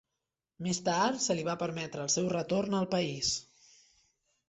Més tard se li va permetre el seu retorn al país.